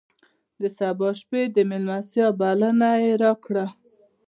د سبا شپې د مېلمستیا بلنه یې راکړه.